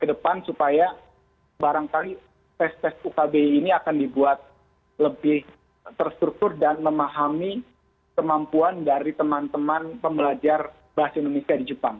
kedepan supaya barangkali tes tes ukbi ini akan dibuat lebih terstruktur dan memahami kemampuan dari teman teman pembelajar bahasa indonesia di jepang